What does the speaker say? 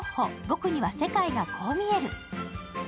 僕には世界がこう見える−」。